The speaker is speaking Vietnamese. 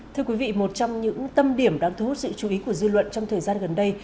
thưa quý vị một trong những tâm điểm đang thu hút sự chú ý của dư luận trong thời gian gần đây